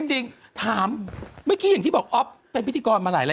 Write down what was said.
จะไปให้คุณภาคภูมิเต้นด้วยนะ